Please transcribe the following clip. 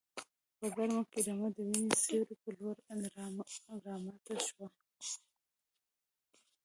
په ګرمۍ کې رمه د وینې سیوري په لور راماته شوه.